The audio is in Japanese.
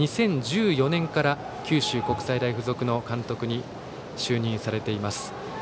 ２０１４年から九州国際大付属の監督に就任されています。